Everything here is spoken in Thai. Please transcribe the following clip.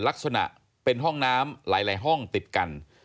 ลักษณะเป็นห้องน้ำหลายห้องติดกัน